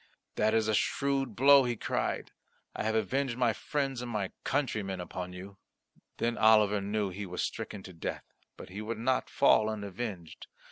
"That is a shrewd blow," he cried; "I have avenged my friends and countrymen upon you." Then Oliver knew he was stricken to death, but he would not fall unavenged.